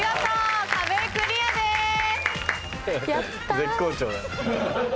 絶好調だ。